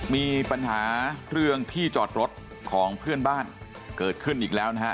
มีปัญหาเรื่องที่จอดรถของเพื่อนบ้านเกิดขึ้นอีกแล้วนะฮะ